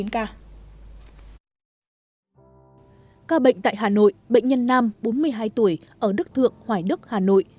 ca bệnh tại hà nội bệnh nhân nam bốn mươi hai tuổi ở đức thượng hoài đức hà nội